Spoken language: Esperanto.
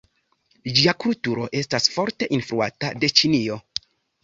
Ĝia kulturo estas forte influata de Ĉinio.